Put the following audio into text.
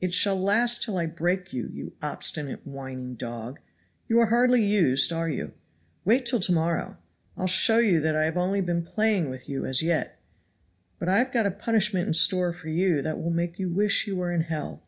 "It shall last till I break you, you obstinate, whining dog. You are hardly used, are you? Wait till to morrow. I'll show you that I have only been playing with you as yet. But I have got a punishment in store for you that will make you wish you were in hell."